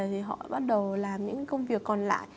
thì họ bắt đầu làm những công việc còn lại